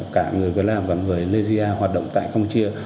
cả người việt nam và người malaysia hoạt động tại campuchia